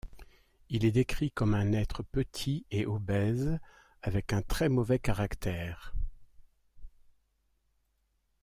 Il est décrit comme un être petit et obèse avec un très mauvais caractère.